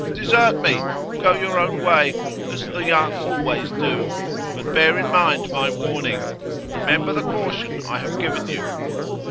Desert me; go your own way, as the young always do. But bear in mind my warning. Remember the caution I have given you.